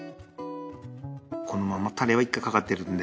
このままタレは１回かかってるんで。